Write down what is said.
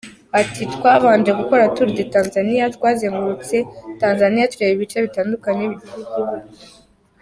Ati: “Twabanje gukora tour de Tanzaniya, twazengurutse Tanzaniya tureba ibice bitandukanye bigize iki gihugu.